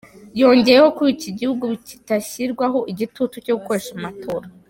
Yongeyeho ko iki gihugu kitashyirwaho igitutu cyo gukoresha amatora.